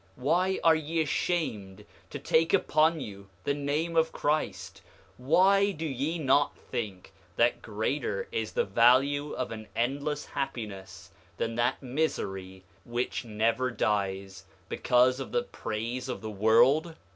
Why are ye ashamed to take upon you the name of Christ? Why do ye not think that greater is the value of an endless happiness than that misery which never dies—because of the praise of the world?